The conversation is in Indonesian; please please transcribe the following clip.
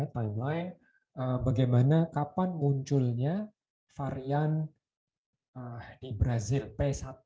timeline bagaimana kapan munculnya varian di brazil p satu